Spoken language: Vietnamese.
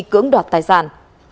cưỡng đoạt tài sản